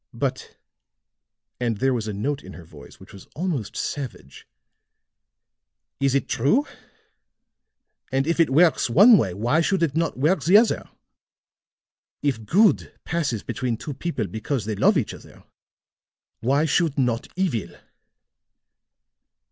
But," and there was a note in her voice which was almost savage, "is it true? And if it works one way, why should it not work the other? If good passes between two people because they love each other, why should not evil?